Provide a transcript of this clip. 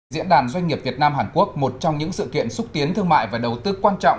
diễn đàn doanh nghiệp việt nam hàn quốc một trong những sự kiện xúc tiến thương mại và đầu tư quan trọng